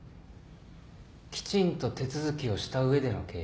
きちんと手続きをした上での契約です。